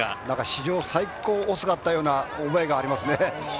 なんか、史上最高遅かったような覚えがありますね。